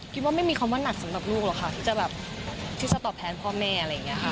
ว่าไม่มีคำว่าหนักสำหรับลูกหรอกค่ะที่จะแบบที่จะตอบแทนพ่อแม่อะไรอย่างนี้ค่ะ